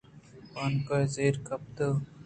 بانک زہر گپت